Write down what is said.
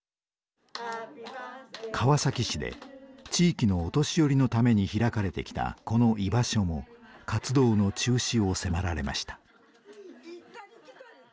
川崎市で地域のお年寄りのために開かれてきたこの居場所も活動の中止を迫られました。